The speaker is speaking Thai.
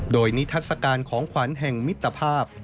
โดยนิทัศกาลของขวัญแห่งมิตรภาพ